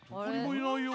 いないね。